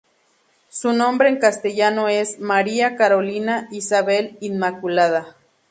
Su nombre en castellano es: "María Carolina Isabel Inmaculada".